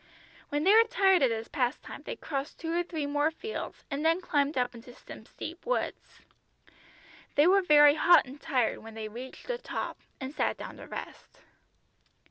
When they were tired of this pastime they crossed two or three more fields and then climbed up into some steep woods. They were very hot and tired when they reached the top, and sat down to rest.